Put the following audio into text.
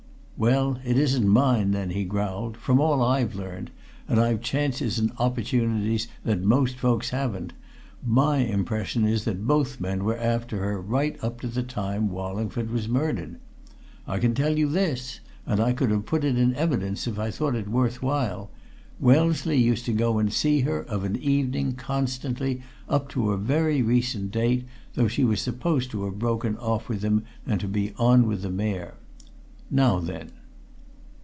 "Well, it isn't mine, then," he growled. "From all I've learnt and I've chances and opportunities that most folks haven't my impression is that both men were after her, right up to the time Wallingford was murdered. I can tell you this and I could have put it in evidence if I'd thought it worth while Wellesley used to go and see her, of an evening, constantly, up to a very recent date, though she was supposed to have broken off with him and to be on with the Mayor. Now then!"